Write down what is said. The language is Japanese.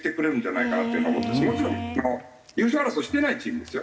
もちろん優勝争いをしてないチームですよ。